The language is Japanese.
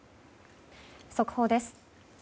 速報です。